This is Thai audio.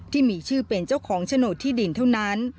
ที่มีชื่อเป็นเจ้าของโฉนดที่ดินเท่านั้น